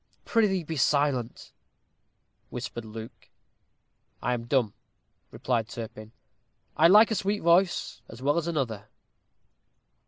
"Prithee be silent," whispered Luke. "I am dumb," replied Turpin; "I like a sweet voice as well as another."